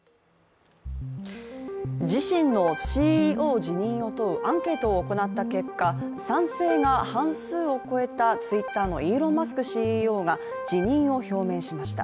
自身のＣＥＯ辞任を問うアンケートを行った結果、賛成が半数を超えたＴｗｉｔｔｅｒのイーロン・マスクＣＥＯが辞任を表明しました。